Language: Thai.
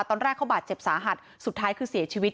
ตอนแรกเขาบาดเจ็บสาหัสสุดท้ายคือเสียชีวิต